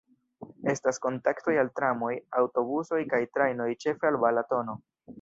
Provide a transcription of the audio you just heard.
Estas kontaktoj al tramoj, aŭtobusoj kaj trajnoj ĉefe al Balatono.